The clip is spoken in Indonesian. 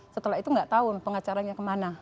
setelah itu nggak tahu pengacaranya kemana